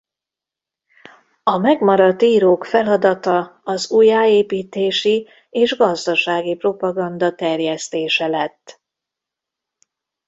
A megmaradt írók feladata az újjáépítési és gazdasági propaganda terjesztése lett.